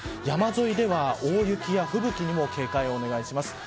山沿いでは大雪や吹雪にも警戒をお願いします。